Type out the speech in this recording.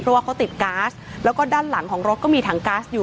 เพราะว่าเขาติดก๊าซแล้วก็ด้านหลังของรถก็มีถังก๊าซอยู่